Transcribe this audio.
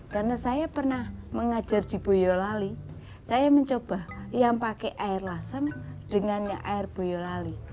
karena saya pernah mengajar di boyolali saya mencoba yang pakai air lasem dengan air boyolali